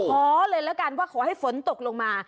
ขอเลยแล้วกันว่าขอให้ฝนตกลงมา